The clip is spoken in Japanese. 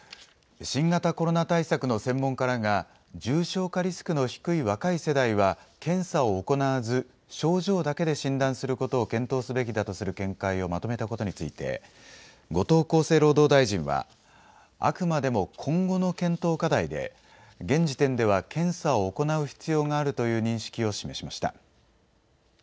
新型コロナ対策の専門家らが重症化リスクの低い若い世代は検査を行わず症状だけで診断することを検討すべきだとする見解をまとめたことについて後藤厚生労働大臣はあくまでも今後の検討課題で現時点では検査を行う必要があるという認識を示しました。